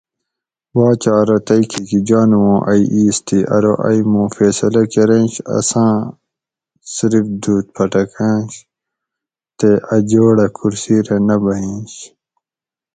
باچہ ارو تئی کھیکی جانو اُوں ائی ایس تھی؟ ارو ائی مُوں فیصلہ کۤرینش اساۤں صرف دُھوت پۤھٹکاۤنش تے اۤ جوڑہ کرسی رہ نہ بھیینش